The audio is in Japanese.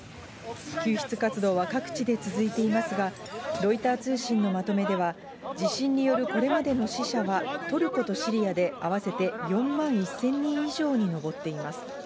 救出活動は各地で続いていますが、ロイター通信のまとめでは、地震によるこれまでの死者は、トルコとシリアで合わせて４万１０００人以上に上っています。